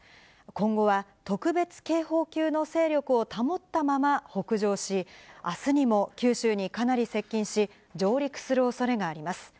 今後は特別警報級の勢力を保ったまま北上し、あすにも九州にかなり接近し、上陸するおそれがあります。